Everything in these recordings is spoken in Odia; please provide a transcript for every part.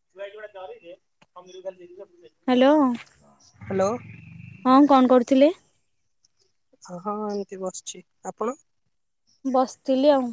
[unintelligible] ହାଲୋ ହ୍ୟାଲୋ ହଁ କଣ କରୁଥିଲେ? ହଁ ହଁ ଏଇଠି ବସିଛି। ଆପଣ? ବସିଥିଲି ଆଉ।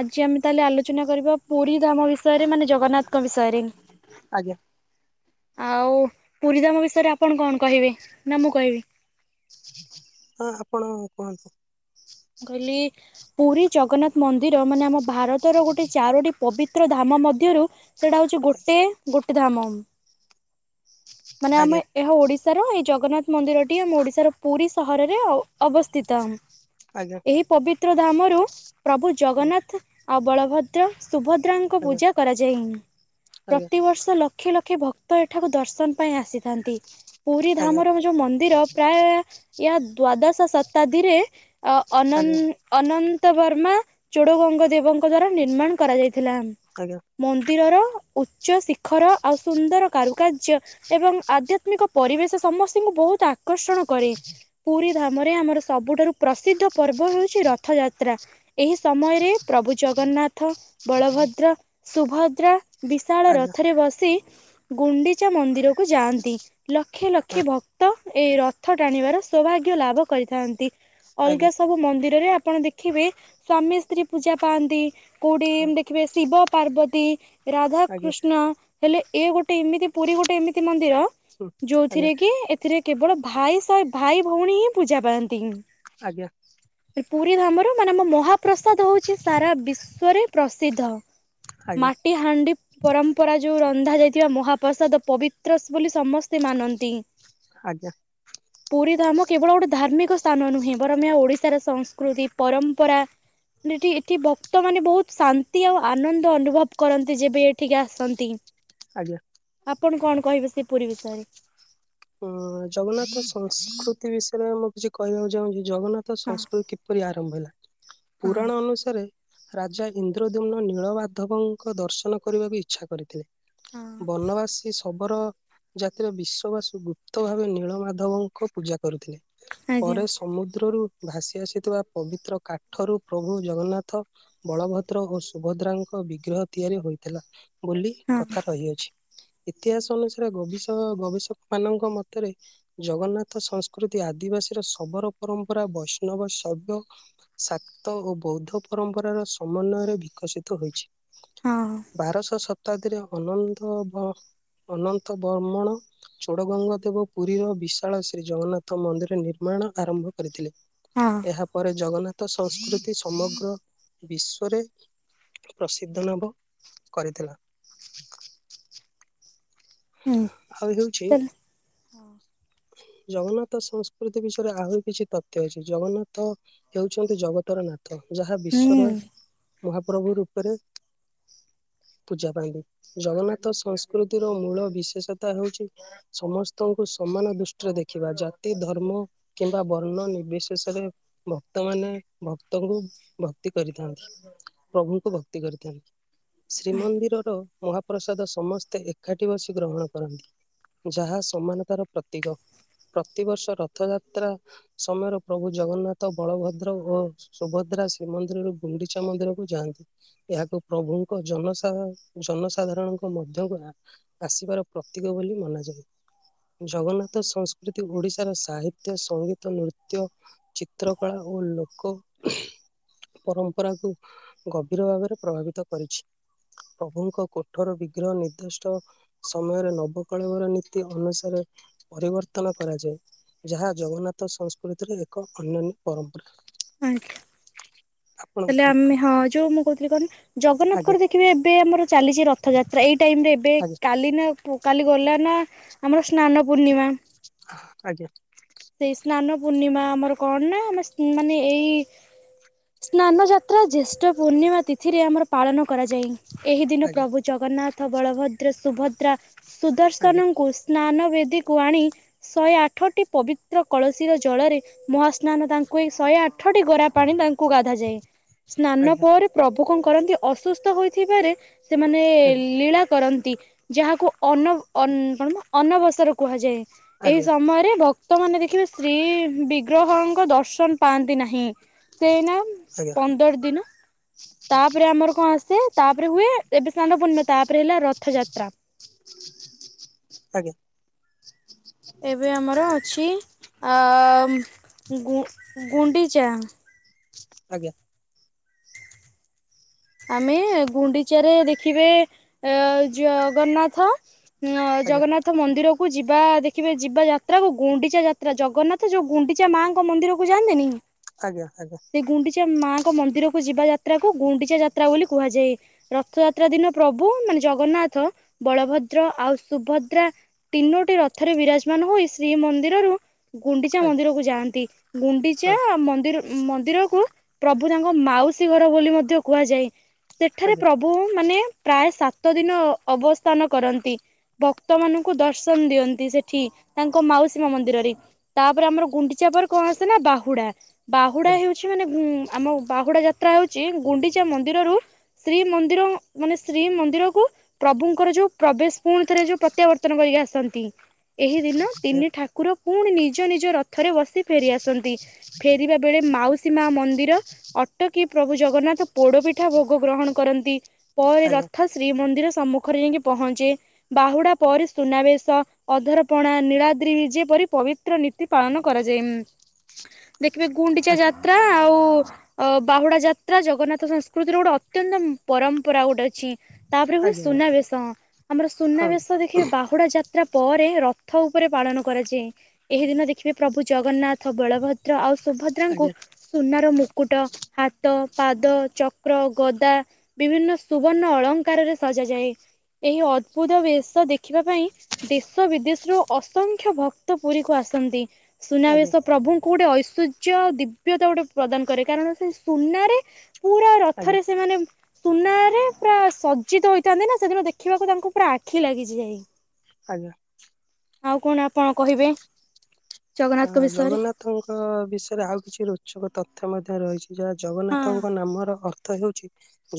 ଆଜି ଆମେ ତାହଲେ ଆଲୋଚନା କରିବା ପୁରି ଧାମ ବିଷୟରେ ମାନେ ଜଗନ୍ନାଥଙ୍କ ବିଷୟରେ। ଆଜ୍ଞା ଆଉ ପୁରି ଧାମ ବିଷୟରେ ଆପଣ କଣ କହିବେ ନା ମୁଁ କହିବି। [inaudible] ହଁ ଆପଣ କୁହନ୍ତୁ? ମୁଁ କହିଲି ପୁରି ଜଗନ୍ନାଥ ମନ୍ଦିର ମାନେ ଆମ ଭାରତର ଗୋଟେ ଚାରୋଟି ପବିତ୍ର ଧାମ ମଧ୍ୟରୁ ସେଇଟା ହୋଉଚି ଆଜ୍ଞା ଗୋଟେ ଗୋଟେ ଧାମ। ମାନେ ଆମେ ଏହା ଓଡିଶାର ଏଇ ଜଗନ୍ନାଥ ମନ୍ଦିରଟି ଆମ ଓଡିଶାର ପୁରି ସହରରେ ଅ-ଅବସ୍ଥିତ। ଆଜ୍ଞା। ଏହି ପବିତ୍ର ଧାମରୁ ପ୍ରଭୁ ହଁ ଜଗନ୍ନାଥ୍ ଆଉ ବଳ ଭଦ୍ର ସୁଭଦ୍ରାଙ୍କୁ ଆଜ୍ଞା ପୂଜା କରାଯାଏଁ। ଆଜ୍ଞା ପ୍ରତିବର୍ଷ ଲ କ୍ଷେ ଲକ୍ଷେ ଭକ୍ତ ଏଠାକୁ ଦର୍ଶନ ପାଇଁ ଆସିି ଥାନ୍ତି ପୁରି ଆଜ୍ଞା ଧାମର ଏ ଯୋଉ ମନ୍ଦିର ପ୍ରାୟେ ଏହା ଦ୍ଵାଦଶ ଶତାବ୍ଦୀରେ ଅ-ଅ ଆଜ୍ଞା ଅନନ୍ତ ବର୍ମା ଚୋଡଗଙ୍ଗ ଦେବଙ୍କ ଦ୍ଵାରା ନିର୍ମାଣ କରାଯାଇଥିଲା। ଆଜ୍ଞା ମନ୍ଦିରର ଉଚ୍ଚ ଶିଖର ଆଉ ସୁନ୍ଦର କାରୁକାର୍ଯ୍ୟ ଏବଂ ଆଧ୍ୟାତ୍ମିକ ପରିବେଶ ସମସ୍ତଙ୍କୁ ବୋହୁତ ଆକର୍ଷଣ କରେ। ପୁରି ଧାମରେ ଆମର ସବୁଠାରୁ ପ୍ରସିଦ୍ଧ ପର୍ବ ହଉଛି ରଥଯାତ୍ରା। ଏହି ସମୟରେ ପ୍ରଭୁ ଜଗନ୍ନାଥ ବଳଭଦ୍ର ସୁଭଦ୍ରା ବିଶାଳ ଆଜ୍ଞା ରଥରେ ବସି ଗୁଣ୍ଡିଚା ମନ୍ଦିର କୁ ଯାଆନ୍ତି ଲକ୍ଷ ହଁ ଲକ୍ଷ ଭକ ତ ଏହି ରଥ ଟାଣିବାର ସୌଭାଗ୍ୟ ଲାଭ କରିଥାନ୍ତି। ଅଲଗା ଆଜ୍ଞା ସବୁ ମନ୍ଦିରରେ ଆପଣ ଦେଖିବେ ସ୍ଵାମୀ ସ୍ତ୍ରୀ ପୂଜା ପାଆନ୍ତି। କୋଉଠି ହଁ ଦେଖିବେ ଶିବ ପାର୍ବତୀ ଆଜ୍ଞା ରାଧାକୃଷ୍ଣ ହେଲେ ଏ ଗୋଟେ ଏମିତି ପୁରୀ ଗୋଟେ ଏମିତି ମନ୍ଦିର ହୁଁ ଆଜ୍ଞା ଯୋଉଥିରେ କି ଏଥିରେ କେବଳ ଭାଇ ସହ ଭାଇ ଭଉଣୀ ହିଁ ପୂଜା ପାଆନ୍ତି। ଆଜ୍ଞା। ପୁରୀ ଧାମର ମାନେ ଆମ ମହାପ୍ରସାଦ ହଉଛି ସାରା ବିଶ୍ଵରେ ପ୍ରସିଦ୍ଧ। ଆଜ୍ଞା ମାଟି ହାଣ୍ଡି ପରମ୍ପରା ଯୋଉ ରନ୍ଧା ଯାଇଥିବା ମହାପ୍ରସାଦ ପବି ତ ବୋଲି ସମସ୍ତେ ମାନନ୍ତି। ଆଜ୍ଞା। ପୁରୀ ଧାମ କେବଳ ଗୋଟେ ଧାର୍ମିକ ସ୍ଥାନ ନୁହେଁ ବରଂ ଏହା ଓଡିଶାର ସଂସ୍କୃତି ପରମ୍ପରା। ମାନେ ଏଠି ଏଠି ଭକ୍ତମାନେ ବହୁତ ଶାନ୍ତି ଆଉ ଆନନ୍ଦ ଅନୁଭବ କରନ୍ତି ଯେବେ ଏଠିକି ଆସନ୍ତି। ଆଜ୍ଞା। ଆପଣ କଣ କହିବେ ସେ ପୁରୀ ବିଷୟରେ? ଉଁ ଜଗନ୍ନାଥ ସଂସ୍କୃତି ବିଷୟରେ ମୁଁ କିଛି କହିବାକୁ ଚାହୁଁଛି। ଜଗନ୍ନାଥ ହଁ ସଂସ୍କୃତି କିପରି ଆରମ୍ଭ ହେଲା ହଁ ପୁରାଣ ଅନୁସାରେ ରାଜା ଇନ୍ଦ୍ରଦ୍ୟୁମ୍ନ ନୀଳବାଧବଙ୍କ ଦର୍ଶନ କରିବାକୁ ଇଚ୍ଛା କରିଥିଲେ। ହଁ ବନବାସୀ ସବର ଜାତିର ବିଶ ବାସି ଗୁପ୍ତ ଭାବେ ନୀଳମାଧବଙ୍କୁ ପୂଜା କରୁଥିଲେ ଆଜ୍ଞା ପରେ ସ୍ ସମୁଦ୍ରରୁ ଭାସି ଆସିଥିବା ପବିତ୍ର କାଠରୁ ପ୍ରଭୁ ଜଗନ୍ନାଥ। ବଳଭଦ୍ର ଓ ସୁଭଦ୍ରାଙ୍କ ବିଗ୍ରହ ତିଆରି ହୋଇଥିଲା। ବୋଲି ହଁ କଥା ରହିଅଛି ଇତିହାସ ଅନୁସାରେ ଗବିଶକ ଗବେଷକ ମାନଙ୍କ ମତରେ ଜଗନ୍ନାଥ ସଂସ୍କୃତି ଆଦିବାସୀର ଶବର ପରମ୍ପରା ବୈଷ୍ଣବ ଶବ୍ୟ ସାତ ଓ ବୌଦ୍ଧ ପରମ୍ପରାର ସମନ୍ୱୟରେ ବିକଶିତ ହୋଇଛି। ହଁ ବାରଶହ ଶତାବ୍ଦୀରେ ଅନନ୍ତ ଅ ଅନନ୍ତ ବର୍ମଣ ଚୋଡଗଙ୍ଗା ଦେବ ପୁରୀର ବିଶାଳ ଶ୍ରୀ ଜଗନ୍ନାଥ ମନ୍ଦିର ନିର୍ମାଣ ଆରମ୍ଭ କରିଥିଲେ। ହଁ। ଏହାପରେ ଜଗନ୍ନାଥ ସଂସ୍କୃତି ସମଗ୍ର ବିଶ୍ୱରେ ପ୍ରସିଦ୍ଧ ଲାଭ କରିଥିଲା। ହୁଁ ଆଉ ହେଉଛି ତାହେଲେ ଜଗନ୍ନାଥ ସଂସ୍କୃତି ବିଷୟରେ ଆହୁରି କିଛି ତଥ୍ୟ ଅଛି ଜଗନ୍ନାଥ ହେଉଛନ୍ତି ଜଗତର ନାଥ ଯାହା ବିଶ୍ୱର ହୁଁ ମହାପ୍ରଭୁ ରୂପରେ ପୂଜା ପାଆନ୍ତି ଜଗନ୍ନାଥ ସଂସ୍କୃତିର ମୂଳ ବିଶେଷତା ହଉଛି ସମସ୍ତଙ୍କୁ ସମାନ ଦୁ ଷ୍ଠିରେ ଦେଖିବା ଜାତି ଧର୍ମ କିମ୍ବା ବର୍ଣ୍ଣ ନିର୍ବିଶେଷରେ ଭକ୍ତ ମାନେ ଭକ୍ତଙ୍କୁ ଭକ୍ତି କରିଥାନ୍ତି। ପ୍ରଭୁଙ୍କୁ ଭକ୍ତି କରିଥାନ୍ତି ଶ୍ରୀମନ୍ଦିରର ମହା ପ୍ରସାଦ ସମସ୍ତେ ଏକାଠି ବସି ଗ୍ରହଣ କରନ୍ତି ଯାହା ସମାନତାର ପ୍ର ତିକ ପ୍ରତିବର୍ଷ ରଥଯାତ୍ରା ସମୟରେ ପ୍ରଭୁ ଜଗନ୍ନାଥ ବଳଭଦ୍ର ଓ ସୁଭଦ୍ରା ଶ୍ରୀମନ୍ଦିରରୁ ଗୁଣ୍ଡିଚା ମନ୍ଦିରକୁ ଯାଆନ୍ତି। ଏହାକୁ ପ୍ରଭୁଙ୍କ ଜନସାଧା ଜନସାଧାରଣଙ୍କ ମଧ୍ୟକୁୁ ଆ ଆସିବାର ପ୍ରତୀକ ବୋଲି ମନାଯାଏ। ଜଗନ୍ନା ଥ ସଂସ୍କୃତି ଓଡ଼ିଶାର ସାହିତ୍ୟ, ସଙ୍ଗୀତ, ନୃତ୍ୟ ଚିତ୍ରକଳା ଓ ଲୋକ ପରମ୍ପରାକୁ ଗଭୀର ଭାବରେ ପ୍ରଭାବିତ କରିଛି। ପ୍ରଭୁଙ୍କ କୋଠର ବିଗ୍ରହ ନିର୍ଦ୍ଦିଷ୍ଟ ସମୟରେ ନବକଳେବର ନୀତି ଅନୁସାରେ ପରିବର୍ତ୍ତନ କରାଯାଏ ଯାହା ଜଗନ୍ନାଥ ସଂସ୍କୃତିର ଏକ ଅନ୍ୟାନ୍ୟ ପରମ୍ପରା। ଆଜ୍ଞା ଆପଣ ତାହେଲେ କୁହନ୍ତୁ? ଆମେ ହଁ ଯୋଉ ମୁଁ କହୁଥିଲି କଣ ଆଜ୍ଞା ଜଗନ୍ନାଥଙ୍କର ଦେଖିବେ ଏବେ ଆମର ଚାଲିଛି ରଥଯାତ୍ରା ଏଇ ଟାଇମ୍ ରେ ଏବେ ଆଜ୍ଞା କାଲି ନା ପୁ-କାଲି ଗଲେ ନା ଆମର ସ୍ନାନ ପୂର୍ଣ୍ଣିମା। ଆଜ୍ଞା। ସେଇ ସ୍ନାନ ପୂର୍ଣ୍ଣିମା ଆମର କଣ ନା ଆମେ ଉଁ, ମାନେ ଏଇ ସ୍ନାନ ଯାତ୍ରା ଜ୍ୟେଷ୍ଠ ପୂର୍ଣ୍ଣିମା ତିଥିରେ ଆମର ପାଳନ କରାଯାଏ। ଏହି ଦିନ ଆଜ୍ଞା ପ୍ରଭୁ ଜଗନ୍ନାଥ ବଳଭଦ୍ର ସୁଭଦ୍ରା ଆଜ୍ଞା ସୁଦର୍ଶନଙ୍କୁ ସ୍ନାନ ବେଦୀକୁ ଆଣି ଶଏ ଆଠଟି ପବି ତ୍ର କଳସୀର ଜଳରେ ମହାସ୍ନାନ ତାଙ୍କୁ ଏଇ ଶଏ ଆଠଟି ଗରା ପାଣି ତାଙ୍କୁ ଗାଧାଯାଏ। ସ୍ନାନ ଆଜ୍ଞା। ପରେ ପ୍ରଭୁ କଣ କରନ୍ତି ଅସୁସ୍ଥ ହୋଇଥିବାରେ ସେମାନେ ଆଜ୍ଞା ଲୀଳା କରନ୍ତି। ଯାହାକୁ ଅନ- ଅନଁ-କଣ ନା ଅନବସର କୁହାଯାଏ। ଏହି ଆଜ୍ଞା ସମୟରେ ଭ କ୍ତ ମାନେ ଦେଖିବେ ଶ୍ରୀ ବିଗ୍ରହଙ୍କ ଦର୍ଶନ ପାଆନ୍ତି ନାହିଁ। ସେ ଏଇନା ଉଁ, ପନ୍ଦର ଦିନ ତାପରେ ଆମର କଣ ଆସେ ତାପରେ ହୁଏ ଏବେ ସ୍ନାନ ପୂର୍ଣ୍ଣିମା ତାପରେ ହେଲା ରଥଯାତ୍ରା। ଆଜ୍ଞା। ଏବେ ଆମର ଅଛି ଆ, ଉଁ, ଗୁ- ଗୁଣ୍ଡିଚା। ଆଜ୍ଞା। ଆମେ ଗୁଣ୍ଡିଚାରେ ଦେଖିବେ ଅ, ଜଗନ୍ନାଥ ହଁ ଜଗନ୍ନାଥ ମନ୍ଦିର କୁ ଯିବା ଦେଖିବେ ଯିବା ଯାତ୍ରା କୁ ଗୁଣ୍ଡିଚା ଯାତ୍ରା ଜଗନ୍ନାଥ ଯୋଉ ଗୁଣ୍ଡି ଚା ମାଙ୍କ ମନ୍ଦିରକୁ ଯାଆନ୍ତେନି। ଆଜ୍ଞା, ଆଜ୍ଞା। ଗୁଣ୍ଡିଚା ମାଆଙ୍କ ମନ୍ଦିରକୁ ଯିବା ଯାତ୍ରା କୁ ଗୁଣ୍ଡିଚା ଯାତ୍ରା ବୋଲି କୁହାଯାଏ। ରଥଯାତ୍ରା ଦିନ ପ୍ରଭୁ ମାନେ ଜଗନ୍ନାଥ ବଳଭଦ୍ର ଆଉ ସୁଭଦ୍ରା ତିନୋଟି ରଥରେ ବିରାଜମାନ ହୋଇ ଶ୍ରୀମନ୍ଦିରରୁ ଗୁଣ୍ଡିଚା ମନ୍ଦିରକୁ ଯାଆନ୍ତି। ଗୁଣ୍ଡିଚା ହଁ ମନ୍ଦିର ମନ୍ଦିରକୁ ପ୍ରଭୁ ତାଙ୍କ ମାଉସୀ ଘର ବୋଲି ମଧ୍ୟ କୁହାଯାଏ। ସେଠାରେ ଆଜ୍ଞା। ପ୍ରଭୁ ମାନେ ପ୍ରାୟ ସାତ ଦିନ ଅବସ୍ଥାନ କରନ୍ତି। ଭକ୍ତ ମାନଙ୍କୁ ଦର୍ଶନ ଦିଅନ୍ତି ସେଠି ତାଙ୍କ ମାଉସୀ ମା ମନ୍ଦିରରେ। ତାପରେ ଆମର ଗୁଣ୍ଡିଚା ପରେ କଣ ଆସେ ନା ବାହୁଡା। ବାହୁଡା ଆଜ୍ଞା ହେଉଛି ମାନେ ଗୁଁ, ଆମ ବାହୁଡା ଯାତ୍ରା ହଉଛି ଗୁଣ୍ଡିଚା ମନ୍ ଦିରରୁ ଶ୍ରୀମନ୍ଦିର ମାନେ ଶ୍ରୀମନ୍ଦିରକୁ ପ୍ରଭୁଙ୍କର ଯୋଉ ପ୍ରବେଶ ପୁଣି ଥରେ ଯୋଉ ପ୍ରତ୍ୟାବର୍ତ୍ତନ କରିକି ଆସନ୍ତି। ଏହି ଦିନ ତିନି ଠାକୁର ପୁଣି ନିଜ ନିଜ ରଥରେ ବସି ଫେରିଆସନ୍ତି। ଫେରିବା ବେଳେ ମାଉସୀ ମା ମନ୍ଦିର ଅଟକି ପ୍ରଭୁ ଜଗନ୍ନାଥ ପୋଡପି ଠା ଭୋଗ ଗ୍ରହଣ କରନ୍ତି। ପରେ ରଥ ଶ୍ରୀ ମନ୍ଦିର ସମ୍ମୁଖରେ ଯାଇକି ପହଞ୍ଚେ। ବାହୁଡା ପରି ସୁନାବେଶ ଅଧରପଣା ନୀଳାଦ୍ରି ବିଜେପରି ପବି ନୀତି ପାଳନ କରାଯାଇ ହ [inaudible] ଦେଖିବେ ଗୁଣ୍ଡିଚା ଯାତ୍ରା ଆଉ ବାହୁଡା ଯାତ୍ରା ଜଗନ୍ନାଥ ସଂସ୍ ସଂସ୍କୃତିର ଗୋଟେ ଅତ୍ୟନ୍ତ ପରମ୍ପରା ଗୋଟେ ଅଛି। ତାପରେ ହୁଏ ଆଜ୍ଞା ଆଜ୍ଞା ଆଜ୍ଞା ଆଜ୍ଞା ହଁ ସୁନାବେଶ ଆମର ସୁନାବେଶଦେ ଦେଖେ ବାହୁଡା ଯାତ୍ରା ପରେ ରଥ ଉପରେ ପାଳନ କରାଯାଏ ଏହି ଦିନ ଦେଖିବେ ପ୍ରଭୁ ଜଗନ୍ନାଥ ରଥ ବଳଭଦ୍ର ଆଉ ସୁଭଦ୍ରାଙ୍କୁ ଆଜ୍ଞା ସୁନାର ମୁକୁଟ ହାତ ପାଦ ଚ ଚକ୍ର ଗଦା ବିଭିନ୍ନ ସୁବର୍ଣ୍ଣ ଅଳଙ୍କାରରେ ସଜାାଯାଏ। ଏହି ଅଦ୍ଭୁତ ବେଶ ଦେଖିବା ପାଇଁ ଦେଶ ବିଦେଶରୁ ଅସଂଖ୍ୟ ଭକ୍ତ ପୁରୀକୁ ଆସନ୍ତି ସୁନାବେଶ ପ୍ରଭୁ କଉ ଗୋଟେ ଐଶ୍ୱର୍ଯ୍ୟ ଦିବ୍ୟତା ଗୋଟେ ପ୍ରଦାନ କରେ କାରଣ ସେ ସୁନାରେ ପୁରା ଆଜ୍ଞା ଆଜ୍ଞା ଥରେ ସେମାନେ ସୁନାରେ ପୁରା ସଜିତ ହୋଇଥାନ୍ତି ନା ସେଦିନ ଦେଖିବାକୁ ତାଙ୍କୁ ପୁରା ଆଖି ଲାଗିଛି ଯାଇ। ଆଜ୍ଞା। ଆଉ କଣ ଆପଣ କହିବେ? ହଁ ଜଗନ୍ନାଥଙ୍କ ବିଷୟରେ ଜଗନ୍ନାଥଙ୍କ ବିଷୟରେ ଆଉ କିଛି ରୋଚକ ତଥ୍ୟ ମଧ୍ୟ ରହିଛି। ଯାହା ହଁ। ଜଗନ୍ନାଥଙ୍କ ନାମର ଅର୍ଥ ହେଉଛି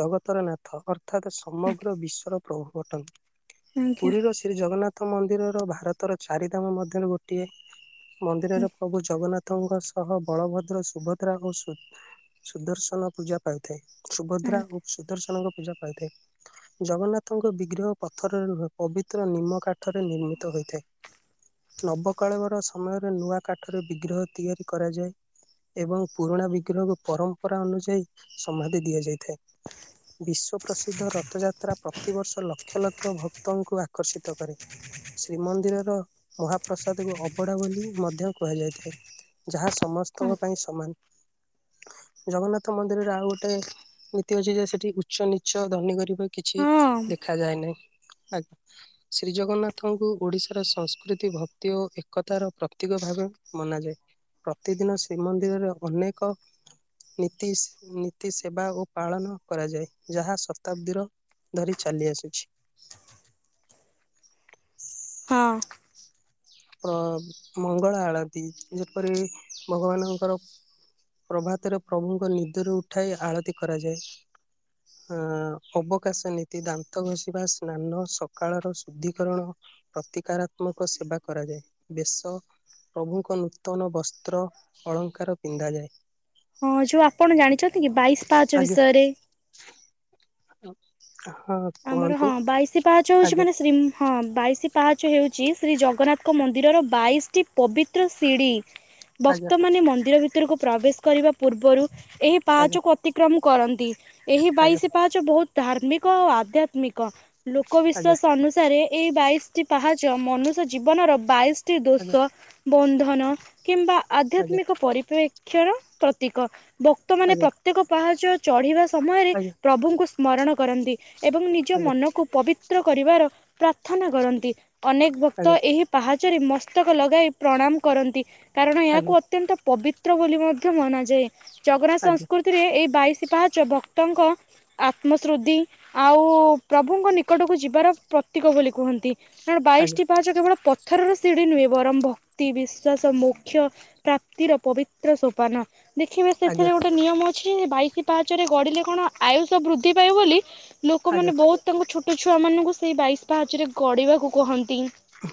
ଜଗତର ନାଥ ଅର୍ ଅର୍ଥାତ ସମଗ୍ର ବିଶ୍ୱର ପ୍ରଭୁଅଟନ୍ତି ଆଜ୍ଞା ପୁରୀର ଶ୍ରୀଜଗନ୍ନାଥ ମନ୍ଦିରର ଭାରତର ଚାରିଧାମ ମଧ୍ୟରେ ଗୋଟିଏ। ମନ୍ଦିରରେ ପ୍ରଭୁ ଜଗନ୍ନାଥ ଙ୍କ ସହ ବଳଭଦ୍ର ସୁଭଦ୍ରା ଓ ସୁ ସୁଦର୍ଶନ ପୂଜା ପାଇଥାଏ ସୁଭଦ୍ରା ଓ ସୁଦର୍ଶନଙ୍କ ପୂଜା ପାଇଥାଏ। ଜଗନ୍ନାଥଙ୍କ ବିଗ୍ରହ ପଥର ରୁହେ ପବିତ୍ର ନିମ୍ମକାଠରେ ନିର୍ମିତ ହୋଇଥାଏ। ନବକାଳବର ସମୟରେ ନୂଆ କାଠରେ ବିଗ୍ରହ ତିଆରି କରାଯାଏ। ଏବଂ ପୁରୁଣା ବିଗ୍ରହକୁ ପରମ୍ପରା ଅନୁଯାୟୀ ସମାଧି ଦିଆଯାଇଥାଏ। ବିଶ୍ଵ ପ୍ରସିଦ୍ଧ ରଥଯାତ୍ରାପ ପ୍ରତିବର୍ଷ ଲକ୍ଷ ଲକ୍ଷ ଭକ୍ତଙ୍କୁ ଆକର୍ଷିତ କରେ। ଶ୍ରୀମନ୍ଦିରର ମହାପ୍ରସାଦକୁ ଅ କପଡ଼ା ବୋଲି ମଧ୍ୟ କୁହାଯାଇଥାଏ ଯାହା ସମସ୍ତଙ୍କ ପାଇଁ ସମାନ। ଜଗନ୍ନାଥ ମନ୍ଦିରରେ ଆଉ ଗୋଟାଏ ନୀତି ଅଛି ଯେ ସେଠି ଉଚ୍ଚ ନିଚ ଧନୀ ଗରବା କିଛି ଦେଖାଯାଏ ନାହିଁ ଆଜ୍ଞା। ଶ୍ରୀ ଜଗନ୍ନାଥଙ୍କୁ ଓଡିଶାର ସଂସ୍କୃତି ଭକ୍ତି ଓ ଏକତାର ପ୍ରତୀକ ଭାବେ ମନାଯାଏ ପ୍ରତିଦିନ ଶ୍ରୀମନ୍ଦିରରେ ଅନେକ ନୀତି ନୀତି ସେବା ଓ ପାଳନ କରାଯାଏ ଯାହା ଶତାବ୍ଦୀର ଧରି ଚାଲି ଆସୁଛି। ହଁ। ପ୍ର ମଙ୍ଗଳା ଆଳତି ଯେପରି ଭଗବାନଙ୍କର ପ୍ରଭାତରେ ପ୍ରଭୁଙ୍କ ନିଦରୁ ଉଠାଇ ଆଳତି କରାଯାଏ। ଅବକାଶ ନୀତି ଦାନ୍ତ ଘଷିବା ସ୍ନାନ ସକାଳର ଶୁଦ୍ଧିକରଣ ପ୍ରତିକାରାତ୍ମକ ସେବା କରାଯାଏ ବେଶ ପ୍ରଭୁଙ୍କ ନୂତନ ବସ୍ତ୍ର ଅଳଙ୍କାର ପିନ୍ଧାଯାଏ। ହଁ ଯୋଉ ଆପଣ ଜାଣିଛନ୍ତି କି ବାଇଶ ପାହାଚ ଆଜ୍ଞା ବିଷୟରେ? ହଁ। ଆମର କୁହନ୍ତୁ ହଁ ବାଇଶି ପାହାଚ ହଉଛି ଆଜ୍ଞା ମାନେ ଶ୍ରୀ ହଁ ବାଇଶ ପାହାଚ ହେଉଛି ଶ୍ରୀ ଜଗନ୍ନାଥଙ୍କ ମନ୍ଦିରର ବାଇଶଟି ପବିତ୍ର ସିଢ଼ି। [inaudible] ଭକ୍ତମାନେ ମନ୍ଦିର ଭିତରକୁ ପ୍ରବେଶ କରିବା ପୂର୍ବରୁ ଏହି ଆଜ୍ଞା ପାଚ କୁ ଅତିକ୍ରମ କରନ୍ତି ଏହି ଆଜ୍ଞା ବାଇଶି ପାହାଚ ବହୁତ ଧାର୍ମିକ ଓ ଆଧ୍ୟାତ୍ମିକ। ଆଜ୍ଞା ଲୋକବିଶ୍ୱାସ ଅନୁସାରେ ଏଇ ବାଇଶଟି ପାହାଚ ମନୁଷ୍ୟ ଜୀବନର ବାଇଶ ଟି ଆଜ୍ଞା ଦୋଷ ବନ୍ଧନ କିମ୍ବା ଆଜ୍ଞା ଆଧ୍ୟାତ୍ମିକ ପରିପେ କ୍ଷର ପ୍ରତୀକ। ଭ ଭକ୍ତ ମାନେ ଆଜ୍ଞା ପ୍ରତ୍ୟେକ ପାହାଚ ଚଢିବା ସମୟରେ ଆଜ୍ଞା ପ୍ରଭୁଙ୍କୁ ସ୍ମରଣ କରନ୍ତି। ଏବଂ ନିଜ ଆଜ୍ଞା ମନକୁ ପବିତ୍ର କରିବାର ପ୍ରାର୍ଥନା କରନ୍ତି। ଅନେକ ଭକ୍ତ ଆଜ୍ଞା ଏହି ପାହାଚରେ ମସ୍ତକ ଲଗାଇ ପ୍ରଣାମ କରନ୍ତି। କାରଣ ଏହାକୁ ଆଜ୍ଞା ଅତ୍ୟନ୍ତ ପବିତ୍ର ବୋଲି ମଧ୍ୟ ମନାଯାଏ, ଜଗନ୍ନାଥ ଆଜ୍ଞା ସଂସ୍କୃତିରେ ଏଇ ବାଇଶି ପାହାଚ ଭକ୍ତ ଭକ୍ତ ଙ୍କ ଆତ୍ମଶ୍ରୁଦ୍ତି ଆଉ ପ୍ରଭୁଙ୍କ ନିକଟକୁ ଯିବାର ପ୍ରତୀକ ବୋଲି କୁହନ୍ତି। କାରଣ ଆଜ୍ଞା ବାଇଶଟି ପାହାଚ କେବଳ ପଥରର ସିଢ଼ି ନୁହେଁ ବରଂ ଭକ୍ତି ବିଶ୍ଵାସ ମୋକ୍ଷ୍ୟ ପ୍ରାପ୍ତିର ପବିତ୍ର ସୋପାନ। ଦେଖିବେ ଆଜ୍ଞା ସେଥିରେ ଗୋଟେ ନିୟମ ଅ କିଛି ବାଇଶି ପାଚରେ ଗଢିଲେ କଣ ଆୟୁଷ ବୃଦ୍ଧି ପାଇବ ବୋଲି। ଆଜ୍ଞା ଲୋକମାନେ ବହୁତ ତାଙ୍କ ଛୋଟ ଛୁଆ ମାନଙ୍କୁ ସେଇ ବାଇଶ ପାହାଚରେ ଗଡିବାକୁ କହନ୍ତି।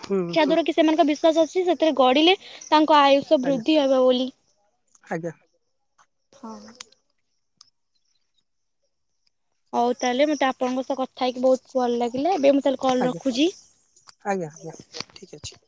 ହୁଁ, ହୁଁ। ଯାହାଦ୍ୱାରା କି ସେମାନଙ୍କ ବିଶ୍ଵାସ ଅଛି ସେଥିରେ ଗଢିଲେ ତାଙ୍କ ଆୟୁଷ ଆଜ୍ଞା ବୃଦ୍ଧି ହବ ବୋଲି। ଆଜ୍ଞା ହଁ। ହଉ ତାହେଲେ ମତେ ଆପଣଙ୍କ ସହ କଥା ହେଇକି ବହୁତ ଭଲ ଲାଗିଲା ଏବେ ମୁଁ ତାହେଲେ କଲ୍ ଆଜ୍ଞା ରଖୁଛି। ଆଜ୍ଞା, ଆଜ୍ଞା ଠିକ ଅଛି।